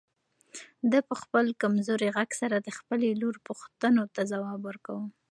ده په خپل کمزوري غږ سره د خپلې لور پوښتنو ته ځواب ورکاوه.